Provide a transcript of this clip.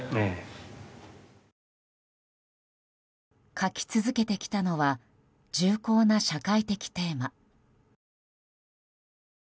書き続けてきたのは重厚な社会的テーマ。